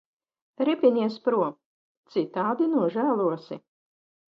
Ripinies prom, citādi nožēlosi.